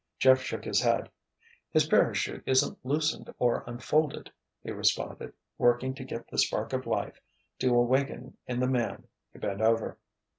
Jeff shook his head. "His parachute isn't loosened or unfolded," he responded, working to get the spark of life to awaken in the man he bent over.